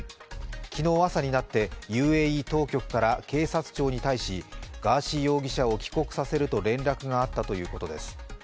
昨日朝になってＵＡＥ当局から警察庁に対しガーシー容疑者を帰国させると連絡があったということです。